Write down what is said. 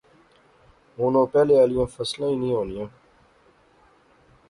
ہُن اوہ پہلے آلیاں فصلاں ہی نی ہونیاں